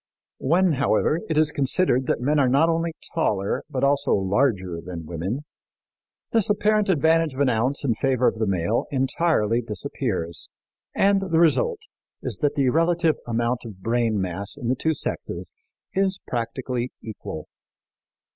When, however, it is considered that men are not only taller but also larger than women, this apparent advantage of an ounce in favor of the male entirely disappears, and the result is that the relative amount of brain mass in the two sexes is practically equal.